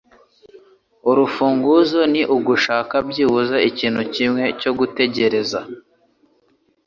Urufunguzo ni ugushaka byibuze ikintu kimwe cyo gutegereza